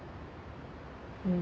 うん。